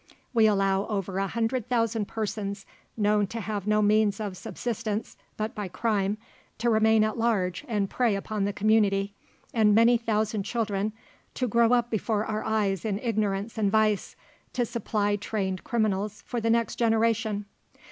We allow over a hundred thousand persons known to have no means of subsistence but by crime, to remain at large and prey upon the community, and many thousand children to grow up before our eyes in ignorance and vice, to supply trained criminals for the next generation.